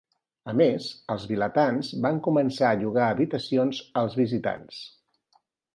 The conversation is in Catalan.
A més, els vilatans van començar a llogar habitacions als visitants.